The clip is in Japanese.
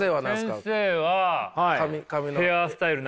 先生はヘアスタイル。